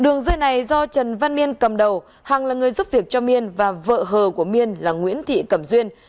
đường dây này do trần văn miên cầm đầu hằng là người giúp việc cho miên và vợ hờ của miên là nguyễn thị cẩm duyên